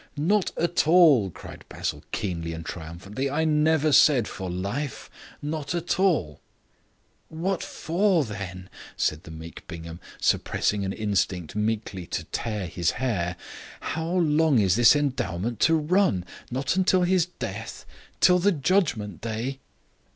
"Not at all," cried Basil, keenly and triumphantly. "I never said for life. Not at all." "What for, then?" asked the meek Bingham, suppressing an instinct meekly to tear his hair. "How long is this endowment to run? Not till his death? Till the Judgement day?"